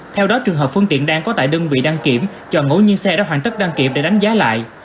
theo đó trường hợp phương tiện đang có tại đơn vị đăng kiểm cho ngẫu nhiên xe đã hoàn tất đăng kiểm để đánh giá lại